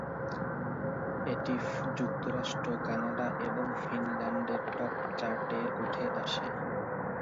এটি যুক্তরাষ্ট্র, কানাডা এবং ফিনল্যান্ডে টপ চার্টে উঠে আসে।